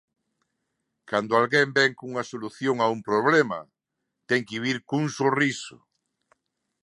Cando alguén vén cunha solución a un problema ten que vir cun sorriso.